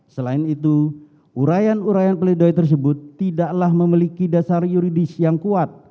selain itu urayan urayan peledoi tersebut tidaklah memiliki dasar yuridis yang kuat